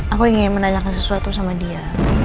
aku ingin menanyakan sesuatu sama dia